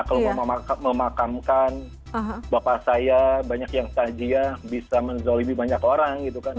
kalau mau memakamkan bapak saya banyak yang sajiah bisa menzolimi banyak orang gitu kan